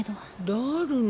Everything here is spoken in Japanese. だぁるの？